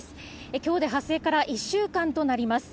きょうで発生から１週間となります。